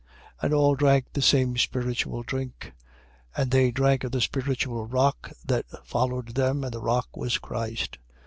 And all drank the same spiritual drink: (And they drank of the spiritual rock that followed them: and the rock was Christ.)